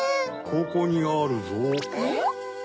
・ここにあるぞ・えっ？